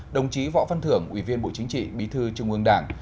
đồng chí võ văn thưởng ủy viên bộ chính trị bí thư trung ương đảng